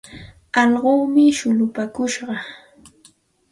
Allquumi shullupaakush.